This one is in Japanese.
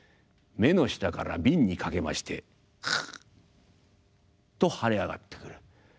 目の下から鬢にかけましてカッと腫れ上がってくる。